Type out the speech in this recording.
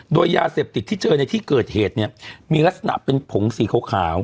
โดยยาเสพติดที่เจอในที่เกิดเหตุเนี่ยมีลักษณะเป็นผงสีขาว